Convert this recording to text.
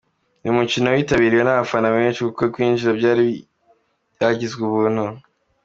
Uyu mukino witabiriwe n’abafana benshi kuko kwinjira byari byagizwe ubuntu.